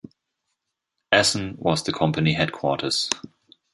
Essen was the company headquarters.